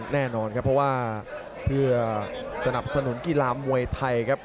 แน่นอนครับเพราะว่าเพื่อสนับสนุนกีฬามวยไทยครับ